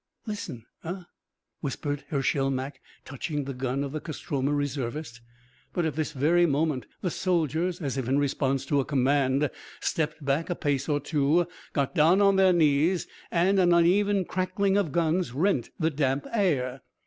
"Listen ... eh," ... whispered Hershel Mak, touching the gun of the Kostroma reservist. But at this very moment, the soldiers as if in response to a command stepped back a pace or two, got down on their knees and an uneven crackling of guns rent the damp air.